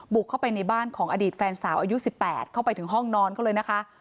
บุกเข้าไปในบ้านของอดีตแฟนสาวอายุ๑๘เข้าไปถึงห้องนอนเขาเลยนะคะ